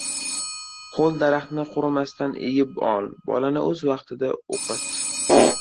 • Ho‘l daraxtni qurimasdan egib ol, bolani o‘z vaqtida o‘qit.